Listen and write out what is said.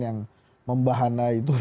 yang membahana itu